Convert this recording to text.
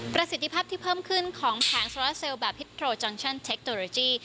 ประสิทธิภาพที่เพิ่มขึ้นของแผงโซลาเซลล์แบบฮิตโทรจอนชั่นเทคโนโลยี